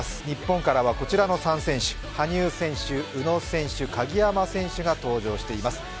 日本からはこちらの３選手、羽生選手、宇野選手、鍵山選手が出場しています。